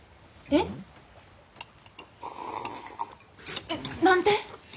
えっ何で？